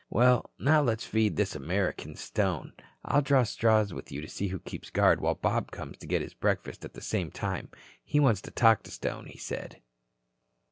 "Well, now let's feed this American, Stone. I'll draw straws with you to see who keeps guard while Bob comes to get his breakfast at the same time. He wants to talk to Stone, he said."